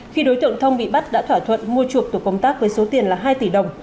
khi đối tượng thông bị bắt đã thỏa thuận mua chuộc tổ công tác với số tiền là hai tỷ đồng